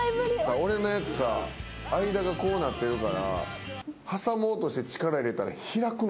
俺のやつさ間がこうなってるから挟もうとして力入れたら開くのよ。